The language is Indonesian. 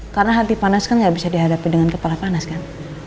karena hati panas kan gak bisa dihadapi dengan kepala panas kan